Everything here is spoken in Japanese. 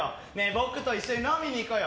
僕と一緒に飲みに行こうよ。